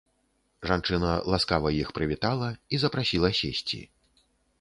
Жанчына ласкава іх прывітала і запрасіла сесці.